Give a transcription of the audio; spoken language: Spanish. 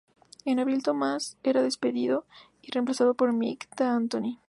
En abril, Thomas era despedido y reemplazado por Mike D'Antoni.